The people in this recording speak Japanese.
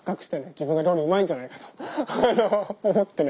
自分は料理うまいんじゃないかと思ってね。